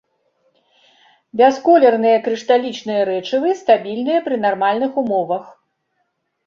Бясколерныя крышталічныя рэчывы, стабільныя пры нармальных умовах.